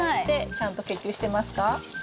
ちゃんと結球してますか？